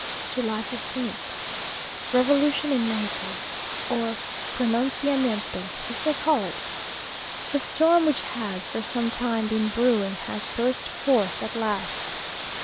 July 15th. Revolution in Mexico! or Pronunciamiento, as they call it. The storm which has for some time been brewing, has burst forth at last.